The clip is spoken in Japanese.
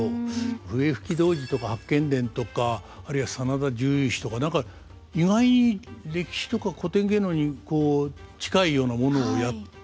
「笛吹童子」とか「八犬伝」とかあるいは「真田十勇士」とか何か意外に歴史とか古典芸能に近いようなものをやってた。